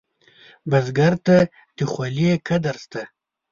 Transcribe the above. بزګر ته د خولې قدر شته